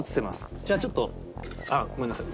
じゃあちょっとあっごめんなさい写しちゃった。